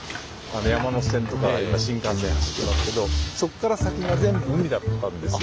山手線とか新幹線走ってますけどそこから先が全部海だったんですよ。